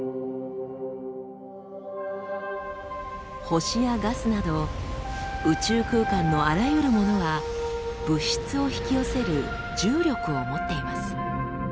星やガスなど宇宙空間のあらゆるものは物質を引き寄せる重力を持っています。